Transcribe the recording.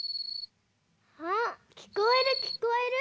あきこえるきこえる。